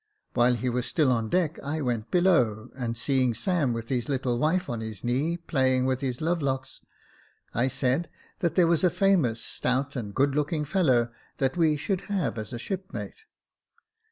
While he was still on deck I went below, and seeing Sam with his little wife on his knee playing with his love locks, I said that there was a famous stout and good looking fellow that we should have as a shipmate.